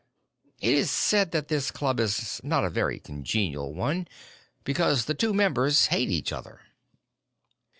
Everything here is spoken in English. It is said that this club is not a very congenial one because the two members hate each other.